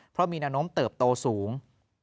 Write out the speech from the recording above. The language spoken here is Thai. เพราะมีแนวโน้มเติบโตสูง